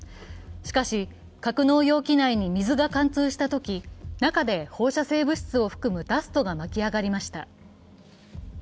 しかし、格納容器内に水が貫通したとき、中で放射性物質を含むダストが巻き上がりました。